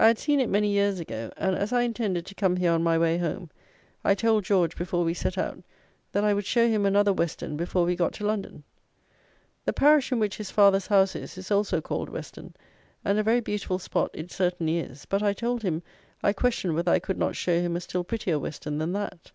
I had seen it many years ago; and, as I intended to come here on my way home, I told George, before we set out, that I would show him another Weston before we got to London. The parish in which his father's house is, is also called Weston, and a very beautiful spot it certainly is; but I told him I questioned whether I could not show him a still prettier Weston than that.